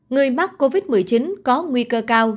người mắc covid một mươi chín có nguy cơ cao